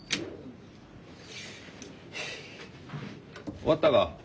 終わったか？